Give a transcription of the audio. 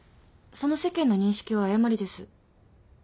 その世間の認識は誤りです。